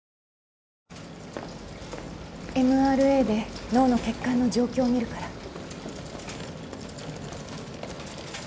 ＭＲＡで脳の血管の状況を見るから。